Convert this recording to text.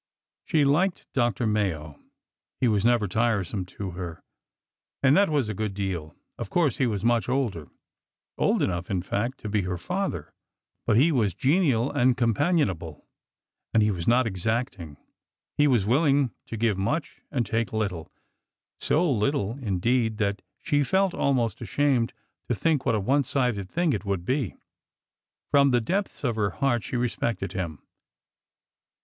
She liked Dr. Mayo. He was never tiresome to her, and that was a good deal. Of course he was much older,— old enough, in fact, to be her father,— but he was genial and companionable, and he was not exacting. He was willing to give much and take little, — so little, indeed, that she felt almost ashamed to think what a one sided thing it would be. From the depths of her heart she respected him.